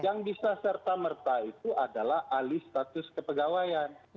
yang bisa serta merta itu adalah alih status kepegawaian